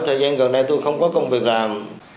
thời gian gần đây tôi không có công việc làm